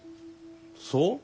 そう？